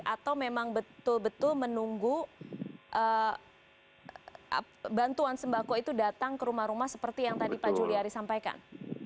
atau memang betul betul menunggu bantuan sembako itu datang ke rumah rumah seperti yang tadi pak juliari sampaikan